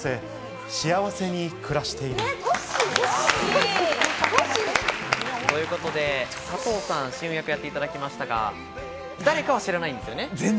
この漫画の主人公は一体誰？ということで、佐藤さん、親友役やっていただきましたが、誰かは知らないんですよね。